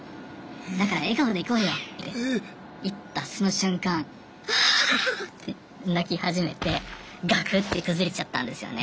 だから笑顔でいこうよ」って言ったその瞬間わあって泣き始めてがくって崩れちゃったんですよね。